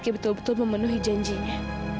betul betul memenuhi janjinya